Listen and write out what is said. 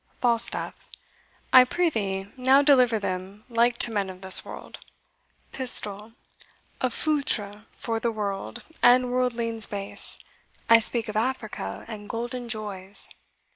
FALSTAFF. I prithee now deliver them like to men of this world. PISTOL. A foutra for the world, and worldlings base! I speak of Africa, and golden joys.